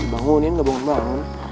bangunin gak bangun bangun